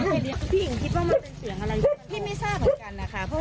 โยนให้พี่หญิงเหลาอ่ะพวกเนี้ยคือยนประทัดให้หมาไล่ออกไป